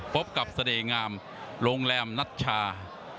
พบกับเสน่หงามโรงแรมนัชชา